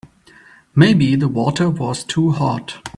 Maybe the water was too hot.